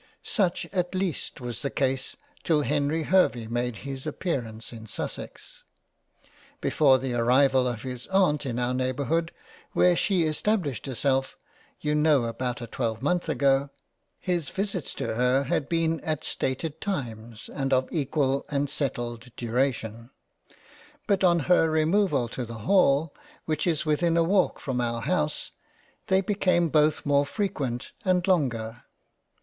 Such at least was the case till Henry Hervey made his appearance in Sussex. Before the arrival of his Aunt in our neighbourhood where she established herself you know about a twelvemonth ago, his visits to her had been at stated times, and of equal and settled Duration ; but on her removal to the Hall which is within a walk from our House, they became both more fre quent and longer.